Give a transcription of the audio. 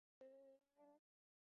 博雷埃。